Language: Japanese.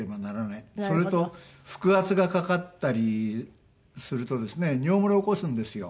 それと腹圧がかかったりするとですね尿漏れを起こすんですよ。